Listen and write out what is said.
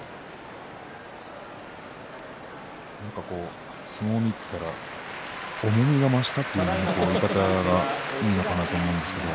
なんか相撲を見ていると重みを増したという言い方がいいのかと思いますが。